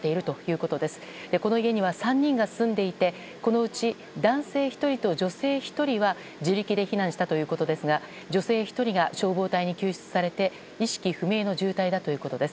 この家には３人が住んでいてこのうち男性１人と女性１人は自力で避難したということですが女性１人が消防隊に救出されて意識不明の重体だということです。